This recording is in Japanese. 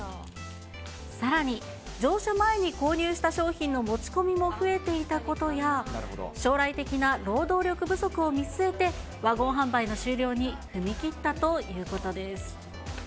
さらに、乗車前に購入した商品の持ち込みも増えていたことや、将来的な労働力不足を見据えて、ワゴン販売の終了に踏み切ったということです。